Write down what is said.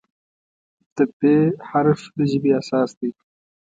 د "پ" حرف د ژبې اساس دی.